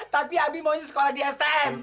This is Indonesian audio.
tapi abi maunya sekolah di stm